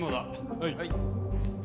はい。